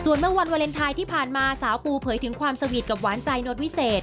ส่วนเมื่อวันวาเลนไทยที่ผ่านมาสาวปูเผยถึงความสวีทกับหวานใจโน้ตวิเศษ